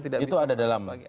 itu ada dalam putusan